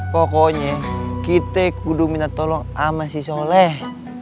pokoknya kita kudu minta tolong sama si soleh